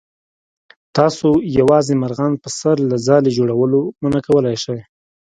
تاسو یوازې مرغان په سر له ځالې جوړولو منع کولی شئ.